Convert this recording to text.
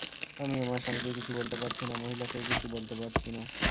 আমি আমার স্বামীকে কিছু বলতে পারছি না, মহিলাকেও কিছু বলতে পারছি না।